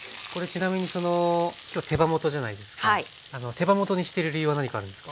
手羽元にしてる理由は何かあるんですか？